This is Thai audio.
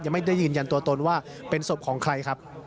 ไม่ได้ยืนยันตัวตนว่าเป็นศพของใครครับ